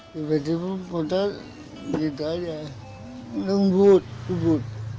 tiba tiba motor gitu aja lembut lembut